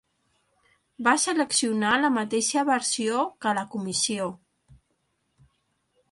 Va seleccionar la mateixa versió que la comissió.